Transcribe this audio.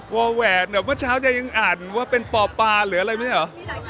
ว้าวเเววะเช้ายังอ่านว่าเป็นผ่อปลาหรืออะไรไม่ได้หรอ